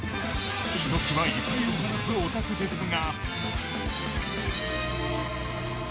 ひときわ異彩を放つお宅ですが。